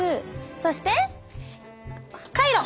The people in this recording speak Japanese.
そしてカイロ。